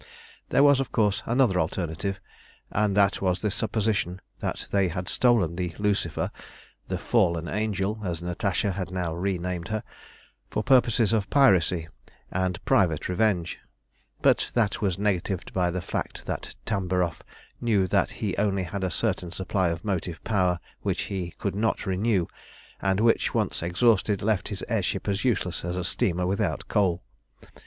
There was, of course, another alternative, and that was the supposition that they had stolen the Lucifer the "fallen Angel," as Natasha had now re named her for purposes of piracy and private revenge; but that was negatived by the fact that Tamboff knew that he only had a certain supply of motive power which he could not renew, and which, once exhausted, left his air ship as useless as a steamer without coal.